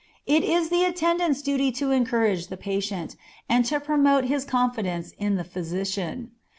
It is the attendant's duty to encourage the patient, and to promote his confidence in the physician.